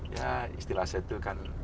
ya istilah saya itu kan